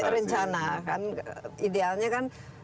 rencana idealnya kan